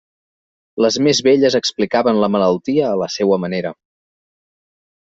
Les més velles explicaven la malaltia a la seua manera.